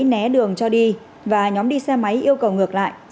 né đường cho đi và nhóm đi xe máy yêu cầu ngược lại